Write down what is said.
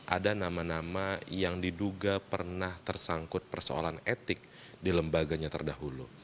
ada nama nama yang diduga pernah tersangkut persoalan etik di lembaganya terdahulu